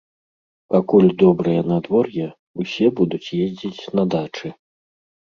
Пакуль добрае надвор'е, усе будуць ездзіць на дачы.